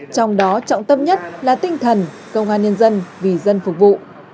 trong đó trọng tâm nhất là tinh thần công an nhân dân vì dân phục vụ